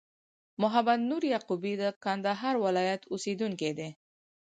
محمد نور یعقوبی د کندهار ولایت اوسېدونکی دي